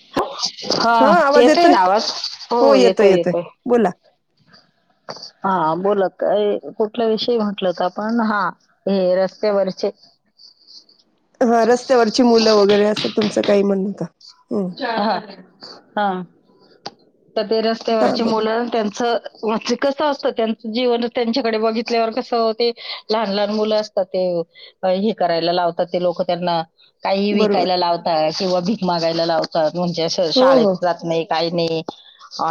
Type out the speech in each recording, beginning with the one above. [inaudible] हा येतोय ना आवाज हो येतोय येतोय. [inaudible] हा बोलत काय कुठला विषयी म्हटल होतं आपण हा हे रस्त्यावरचे [inaudible] हा रस्त्यावरची मुलं वगैरे असं तुमचं काही म्हणणं होत हा हा त ते हा रस्त्यावरची बोला मुलं त्यांचं [unintelligible] कस असतं त्यांचं जीवन त्यांच्याकडे बघितल्यावर कसं हो ते लहान लहान मुलं असता ते हे हे करायला लावतात ते लोक त्यांना काहीही बरोबर विकायला लावतात किंवा भीक मागायला लावतात म्हणजे अस हो हो शाळेत जात नाही. काही नाही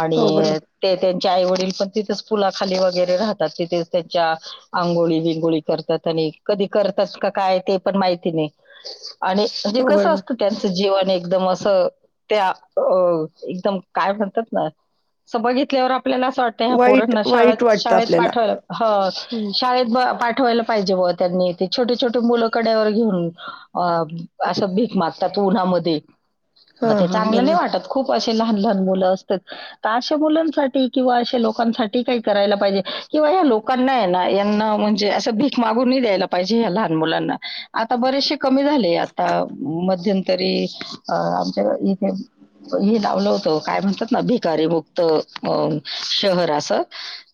हो बरोबर ते त्यांनं चे आई वडील पण तिथेच पुुलाखाली वगैरे राहतात तिथेच त्यांच्या आंघोळी विंगोळी करतात आणि कधी करतास का काय ते पण माहिती नाय. आणि हे हो कसं बरोबर असतं त्यांचं जीवन एकदम अस त त्या अ एकदम काय म्हणतात ना अस बघितल्यावर आप आपल्याला असं वाटत वाईट पोरांना शाळत वाईट वाटतं शाळेत आपल्याला पाठवाय हो हम्म. शाळेत पाठ ठवायला पाहिजे बुआ त्यांनी ते छोटे छोटे मुलं कड्यावर घेऊन अ असं भीक मगतात. उन्हामध्ये हा म ते हा चांगलं नाय बरोबर वाटत खूप अस लहान लहान मुलं असतात त शा मुलासाठी किंवा अशा लोकांसाठी काय करायला पाहिजे किंवा लोकांना हाय ना यांना म्हणजे अस भीक मागून नाय द्यायला पाहिजे हया लहान मुलांना आता बरेच शे झाले आता मध्यंतरी अ आमच्या इथे हे लावलं होतं काय म्हणतात ना भिकारी मुक्त अ शहर असं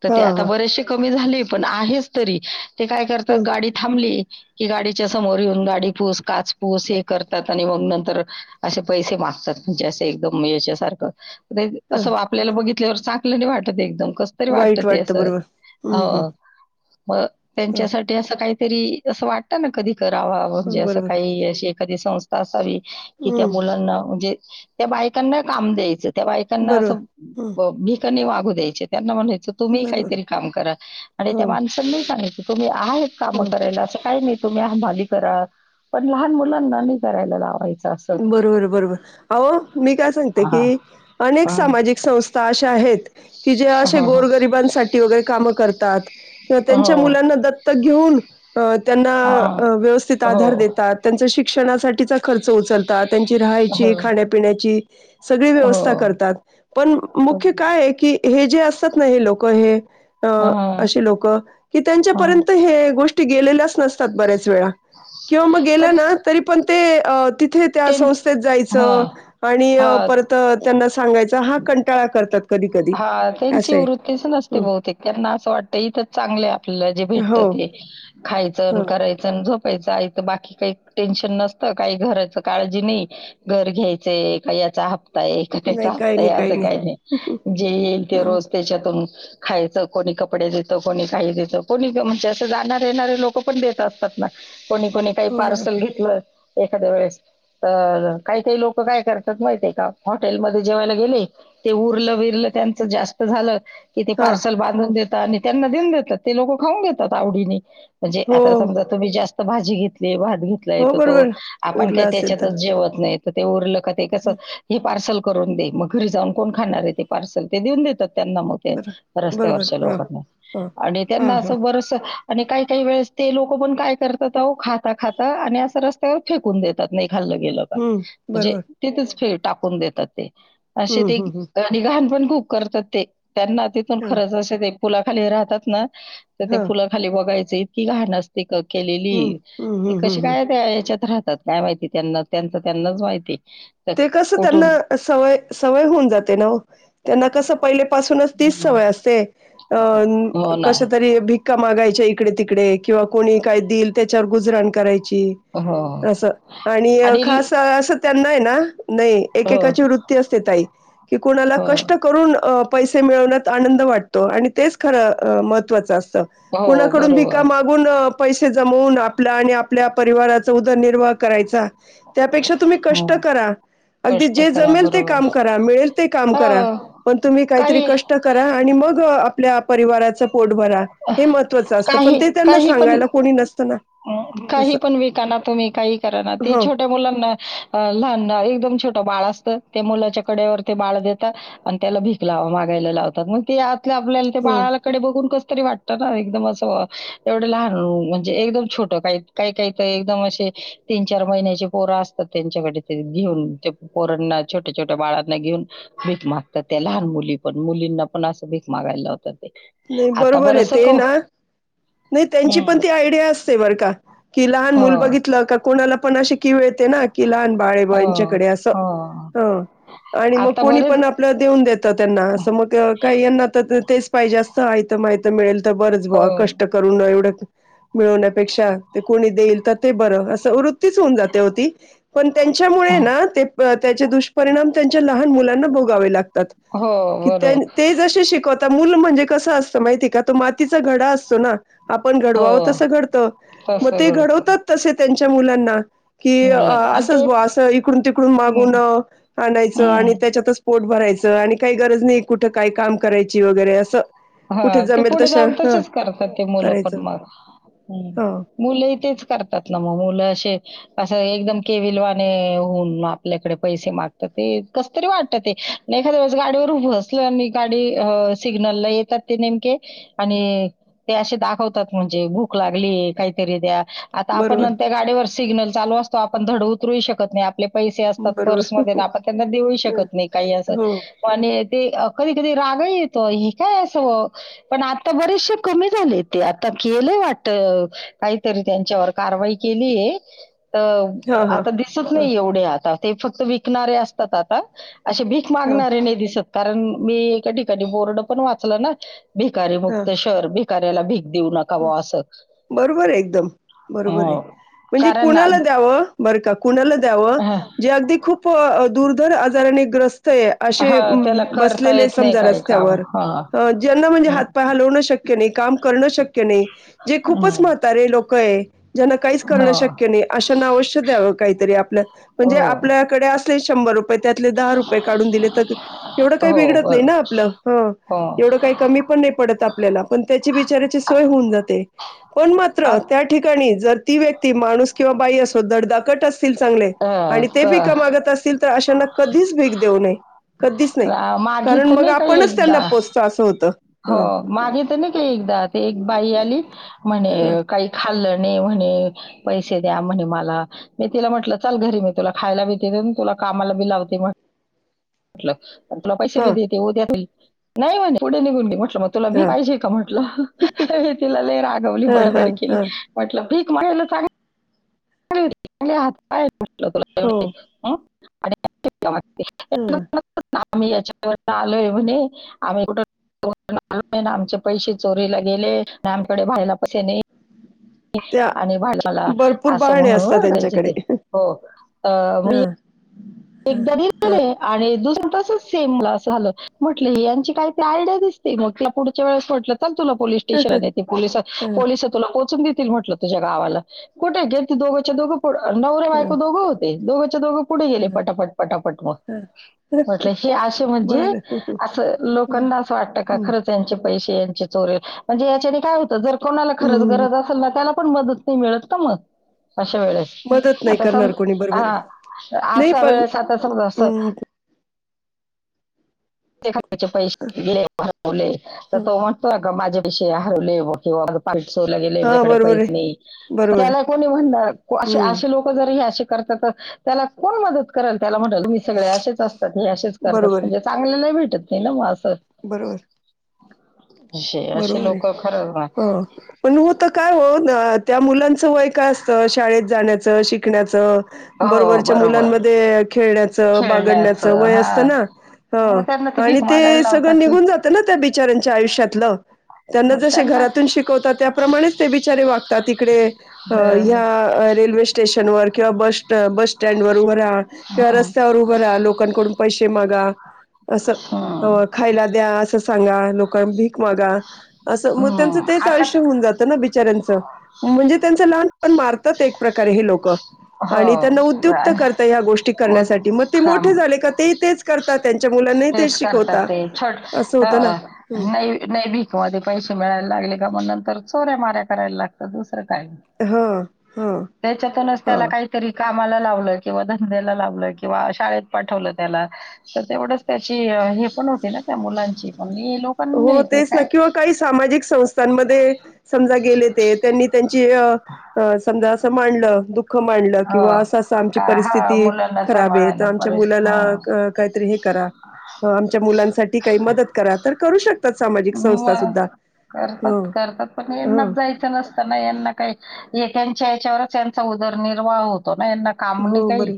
तर हा ते आता हा बरेचसे कमी झाले पण आहेचं तरी ते काय ह करतात गाडी थांबली की गाडीच्या समोर येऊन गाडी पूस काच पूस हे करतात आणि मग नंतर असे पैसे मागतात म्हणजे असे एकदम याच्यासारखं म ते हा असं आपल्याला बघितल्यावर चागं ल नाय वाटत एकदम कस तरी वाटत वाईट ते अस वाटतं बरोबर हम्म हम्म हो म हा त्यांच्यासाठी असं काहीतरी असं वाटतं ना कधी करावा हो म्हणजे असं बरोबर काही अशे एखादी संस्था असावी की, त्या हम्म मुलांना म्हणजे त्या बायकांना काम द्यायचं. त्या बाईकांना बरोबर असं भ हम्म भीका नाय मागू द्यायच्या त्यांना म्हणायचं तुम्ही बरोबर काहीतरी काम करा आणि हो त्या माणसांनी सांगयच तुम्ही आहेत काम हो करायला असं काही नाही तुम्ही हमाली करा पण लहान मुलांना नाही करायला लावायच. बरोबर बरोबर अहो मी काय सांगते की हां, अनेक हां. सामाजिक संस्था अशा आहे हेत. की जे असे हां, हां. गोरगरिबांसाठी वगैरे कामं करतात किंवा त्यांच्या हो, मुलांना दत्तक घेऊन अ त्यांना हां. व्यवस्थित हो, आधार देतात. त्यांचा शिक्षणासाठीचा खर्च उचलतात. त्यांची हो, राहायची खाण्यापिण्याची सगळी व्यवस्था हो. करतात पण मुख्य काय आहे की हे जे असतात ना हे लोक हे. अ हां, असे लोक कि हां. त्यांच्यापर्यंत हे गोष्टी गेलेल्याच नसतात बऱ्याच वेळा किंवा मग पण गेलं ना तरी पण ते तिथे त्या त्यां संस्थेत हां, जायचं आणि हां, परत त्यांना सांगायचा हा कंटाळा करतात. कधी-कधी. हा त्यांची असं आहे. वृत्तीच नसते हं. बहुतेक त्यांना असं वाटत इथंच चांगलंय आपल्या भेटत हो, ते खायच आणि हो. करायचं ते झोपायचं आईत बाकी काही टेन्शन नसतं काही घराचं काळजी नाही घर घ्यायचं. याचा हप्ता आहे की त्यांचा नाही काही हप्ताय नाही, असं नाही. काही हं. नाही जे येईल ते हं. रोज त्याच्यात. खायच कोणी कपडे देत कोणी काही देत कोणी म्हणजे अस जाणार येणारे लोक पण देतात. कोणी कोणी काही हो बरोबर. पार्सल घेतलं एखाद्या वेळेस तर काही काही लोक काय करतात माहितय का हॉटेलमध्येध्ये जेवायला गेले ते उरलं विरल. जास्त झालं की ते हां. पार्सल बांधून देतात. त्यांना देऊन देतात ते लोक खाऊन घेतात आवडीने म्हणजे हो, आता समजा तुम्ही जास्त भाजी घेतली भात घेतलाय हो तर तो बरोबर. आपण काही उरलं असेल तर. त्याच्यातच जेवत नाही ते उरलं. ते कस हं. हे पार्सल करून दे मग घरी जाऊन कोण खाणार आहे ते पार्सल ते देऊन देतात. त्यांना मग ते बरोबर, रस्त्यावरच्या बरोबर. हां, लोकांनी हां. आणि त्यांना हां, अस हां. बरचसं. आणि काही काही वेळेस ते लोक पण काय करतात खाता खाता आणि असं रस्त्यावर फेकून देतात नाही. खाल्लं गेलं का हं. म्हणजे बरोबर. तिथेच फे टाकून देतात ते हम्म हम् हम्म. लहान पण खूप करतात ते त्यांना तिथून हां, खरंच असे ते पुलाखाली राहतात ना. तर ते हां. पुलाखाली बघायच इतकी घाण असते. हं, केलेली हं, ते हं, कशी हं, हं. काय याच्यात राहतात काय माहिती त्यांना त्यांच त्यांनाच माहिती. तर ते कसं कुठून त्यांना सवय सवय होऊन जाते ना ओ. त्यांना कस पहिल्यापाासून तीच हं. सवय असते हो ना. कसं तरी भिका मागने यच्या इकडे तिकडे किंवा कोणी काय देईल त्याच्यावर गुजरण कराय. ची हो अस आणि खास अस त्यांना आहे ना. नाही हो, एकेकाची वृत्ती असते ताई की कोणाला हो, कष्ट करून पैसे मिळवण्यात आनंद वाटतो आणि तेच खरं महत्त्वाचं असतं. हो कोणाकडून भिका बरोबर. मागून पैसे जमवून आपल्या आणि आपल्या परिवाराचा उदरनिर्वाह करायचा त्यापेक्षा तुम्ही हो. कष्ट करा. अगदी कष्ट जे करा जमेल ते बरोबर. काम करा मिळेल ते काम हो करा पण तुम्ही काहीतरी काही कष्ट करा आणि मग आपल्या परिवाराच पोट भरा हे महत्वाचं असतं पण काही ते त्यांना काही पण सांगायला कोणी नसतं ना. काही असं. पण विकाना तुम्ही काही करा ना त हो, छोट्या मुलांना लहाना एकदम छोटं बाळ असतं त्या मुलाच्या कड्यावर ते बाळ देतात आणि त्याला भीक ला मागायला लावतात मग ते आपल्याला हो. बाळाकडे बघून कस तरी वाटत ना एकदम असं एवढं लहान म्हणजे एकदम छोट काही काही काही तएकदम असे तीन चार महिन्याचे पोर असतात त्यांच्याकडे घेऊन पोरना छोट्या छोट्या बाळांना घेऊन भीक मागतात त्या लहान मुली पण मुलींना पण अस भीक मागायला लावतात. ते. नाही आता बरोबर आहे बरंचसं ते क ना. नाही त्यांची हं. पण ती आयडिया असते बरं का की लहान हो, मुल बघितलं का कोणाला पण अशी की किळ ते ना की लहान हो, बाळेबईंच्याकडे असं. हो. ह आणि मग आता कोणी बरेच पण आपल्या देऊन देत त्यांना असं मग काही यांना तेच पाहिजे असत आयत मयत मिळेल तर बरंच हो बवा कष्ट करून न एवढं. मिळवण्यापेक्षा ते कोणी देईल तर ते बरं असं वृत्ती त्यांची होऊन जाती होती पण त्यांच्यामुळे ना त्यांचे दुष्परिणाम ते लहान मुलांना भोगावे लागतात हो बरोबर ते जसे शिकवतात. मूल म्हणजे कसं असतं माहिती आहे का तो मातीचा घडा असतो ना. आपण हो घडवावं तसं घडत मग तसं ते घडतं घडवतात तसे त्यांच्या मुलांना कि मुलं आणि ते असंच ब असं इकडून तिकडून मागून हं, आणायचं आणि हं. त्याच्यातच पोट भरायचं. च आणि गरज नाही कुठ काही काम करायची वगैरे असं कुठे हां, ते जमेल पुढे तश जाऊन ह. तसेच करतात ते मुलं पण मग ह हा मुलंही तेच करतात ना मग मुलं असे. असं एकदम केविलवाणीहून आपल्याकडे पैसे मागतात ते कस तरी वाटत ते. एखाद्या वळेस गाडीवर असलं आणि गाडी सिग्नल ला येत ते नेमके आणि ते असे दाखवतात म्हणजे भूक लागली काहीतरी द्या. आता आपण बरोबर त्या गाडीवर सिग्नल चालू असतो आपण धड उतरू शकत नाही आपले. पैसे असतात बरोबर पर्समध्ये आपण त्यांना देऊ शकत नाही काही असं हो म आणि. ते कधी कधी रागा येतो ह काय अस हो पण आता बरेसे कमी झलं कि, आता केल वाटत काहीतरी त्याची. त्याच्यावर कारवाई केलीय. तर हा हा आता दिसत हा नाही एवढे आता ते फक्त विकणारे असतात आता. अशे भीक हा मागणारे नाही दिसत कारण मी एका ठिकाणी बोर्ड पण वाचलं ना. भिकारी हा मुक्त शहर भिकाऱ्याला भेट देऊ नका बुवा असं. बरोबर आहे, एकदम बरोबर आहे. हं. म्हणजे कारण ना कुणाला द्यावं बरं का कुणाला द्यावं हं, जे अगदी खूप दूर दर आजाराने ग्रस्त आहे, असे हं, त्याला करता बसलेले येत नाही समजा काही काम रस्त्यावर. हा ज्यांना म्हणजे हम्म, हात पाय हलवणं शक्य नाही काम करणं शक्य जे खूपच हम्म. म्हातारे लोक आहे, ज्यांना काहीच हो करण शक्य नाही अशना अवश्य द्यावं काही. काहीतरी आपलं म्हणजे हो आपल्याकडे असतील शंभर रुपये. त्यातले दहा रुपये काढून दिले तर एवढं काही हो बिगडत नाही बरोबर ना आपलं ह. हो एवढं काही कमी पण नाही पडत आपल्याला पण त्याची बिचाऱ्याची. सवय होऊन जाते पण मात्र आत- त्या ठिकाणी जर. ती व्यक्ती माणूस किंवा बाई असो दड दाकट असतो. असतील चांगले अं, आणि ते भीक त- मागत असतील तर अशांना कधीच भीक देऊ नये. कधीच नाही आ, कारण मागित मग नाही का आपणच एकदा त्यांना पोसतो असं होतं. हो ह मागे तर नाही का एकदा ते एक बाई आली ह म्हणे काही खाल्लं म्हणे पैसे म्हणे मला मी तिला म्हटलं चल घरी मी तुला खायला बी तुला कामाला बी लावते म्हटलं. तुला पैसे बी ह देते उद्या घरी म्हने पुढे निघून गेली मग तुला भीक पाहिजे का म्हटलं तिला ले रागवली ह ह बडबड ह केली ह म्हटलं भीक माझ्याकडे काय तुला एवढे हात पाय चांगले हो एवढे अ [unintelligible] आणि ह [unintelligible] आम्ही याच्यावर आलोय म्हणे [unintelligible] आम्ही कुठ आलो आमचे पैसे चोरीला गेले ना आमकडे भायला पैसे नाही [unintelligible] त्या आणि बा मला भरपूर असं बहाणे म्हणून असतात बर [unintelligible] काायची त्यांच्याकडे ते हो ह मी ह एकदा दिलं ह ना आणि दुसर तसंच सेम झालं म्हणलं यांची काही तरी आयडिया दिसते मोठी पुढच्या वेळेस म्हटलं. चल तुला पोलीस स्टेशनला देते पोलिसात पोलीस तुला पोहचून देतील. देतील म्हटलं तुझ्या गावाला कुठे काय ती दोघच्या दोघं नवऱ्या ह ह बायको दोघंही होते दोघच्या दोघं. पुढे गेले ह पटापट पटापट मग. म्हटलं हे असे म्हणजे बर असं लोकांना असं वाटतं का खरंच यांचे. पैसे यांचे चोरले म्हणजे याच्याने काय होत जर कोणाला खरच गरज असेल ना त्याला. पण मग मदत नाही मिळत मग अशा वेळेला मदत नाही करणार कोणी बरोबर आता. आहे [unintelligible] नाही सहा पण वेळा [unintelligible] असत. [inaudible] त्याचे पैसे गेले तर तो म्हणतो आता. का माझ्या विषयी हाय लय मोठी [inaudible] चोरीला गेले हा ह्यांच्याकडे बरोबर आहे पैसे नाही बरोबर आहे. त्याला कोणी म्हणणार असे हम्म असे लोक जर हे असे. करतात तर त्याला कोण मदत करेल त्याला म्हणलं तुम्ही सगळे असेच असता आणि असेच करतात. बरोबर आहे. लय भेटत नाही ना मग अस. [unintelligible] बरोबर. असे असे बरोबर हाय लोक खरंच ना हो पण होत काय ओ न त्या मुलाचं वय काय असतं शाळेत जाण्याचं शिकण्याचं हो बरोबरच्या बरोबर मुलांमध्ये खेळण्याचं बागडण्याचं खेळण्याचं वय असत हा ना हो मग त्यांना ती आणि भीक ते मागायला सगळं लावतात ती निघून जात ना त्या त्या बिच्याऱ्याच्या आयुष्यातलं त्यांना जसे घरातून शिकवतात त्याप्रमाणेच ते बिचारे वाग ता तिकडे अं ह्या रेल्वे स्टेशनवर किंवा बस बस स्टँड वर उभं राहा. किंवा हं, रस्त्यावर उभं राहा लोकांकडून पैसे मागा. असं हं, अं खायला द्या असं सांगा लोकांन भीक मागा. असं म त्याचं हं. तेच आता आयुष्य हुन जातं ना बिचाऱ्याचं. म्हणजे त्याचं लहानपण मारतात एक प्रकारे हे लोक. हो आणि त्यांना उद्युत आणि करता या गोष्टी हो, करण्यासाठी म ते हा, मोठे झाले का ते ही तेच करतात त्यांच्या मुला तेच करतात ते छोट होतं ना अं ह नै नय भीक हो आधी पैसे मिळाय लागले का म नंतर चोऱ्यामाऱ्या कराय लागतातचं. तर काय ह ह तेच्यातूनचं ह तेला काय तरी कामाला लाव किंवा धंद्याला लावलं किंवा शाळेत पाठवलं तेला तर तेवढच त्याची हे पण हो [unintelligible] त्या मुलांची पण हे लोकांनी हो नाही ते तेच ना काय किंवा काही सामाजिक संस्थांमध्ये समजा गेले ते त्यांनी त्यांची अं अं समजा असं मांडलं दु दुःख मांडल हो. किंवा अस अस आमची का हां, परिस्थिती मुलांना खराबे तर सांभाळायला आमच्या परस मुलाला हां. काहीतरी हे करा हा आमच्या मुलांसाठी काही मदत करा तर करू शकतात सामाजिक संस्था मग सुद्धा ह करतात करतात पण ह हेंनाचं जायचं नसतं ना हेंना काय नेत्याच्या हेच्यावर यांचा उदरनिर्वाह हो तो ना यांना काम हो नाई बर काई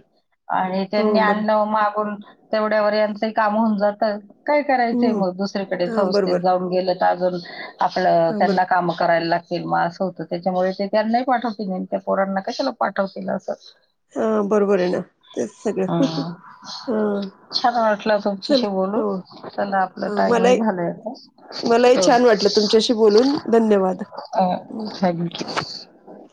आणि हो त्यांनी बर आणलं मागून तेवढ्यावर याचं ही काम हुन जात. काय करायचाय हम्म मग दुसरीकडे हा संस्थेत बरोबर जाऊन गेलं का अजून आपलं हा बर तेना काम कराय लाग म असं होतं ते त्याच्यामुळे ते त्यांनाही पाठवतील [unintelligible] पोरांना कशाला पाठवतील असं हा बरोबर आहे ना तेच सगळं हम्म हा छान वाटलं चला तुमच्याशी बोल लून हो चला आपल हा मलाही टाईमिग झालय मलाही आता. छान वाटलं तुमच्याशी बोलून धन्यवाद अं थँक [unintelligible]